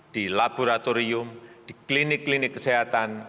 di laboratorium di klinik klinik kesehatan